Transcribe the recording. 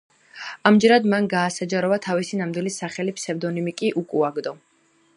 ამჯერად მან გაასაჯაროვა თავისი ნამდვილი სახელი, ფსევდონიმი კი უკუაგდო.